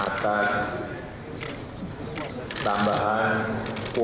atas tambahan kuota